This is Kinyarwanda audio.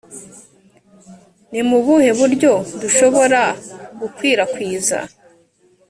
ni mu buhe buryo dushobora gukwirakwiza